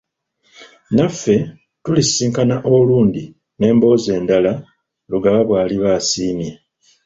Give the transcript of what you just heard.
Naffe tulisisinkana olundi n'emboozi endala Lugaba bw'aliba asiimye.